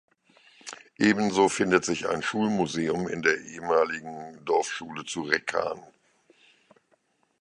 Ebenso findet sich ein Schulmuseum in der ehemaligen Dorfschule zu Reckahn.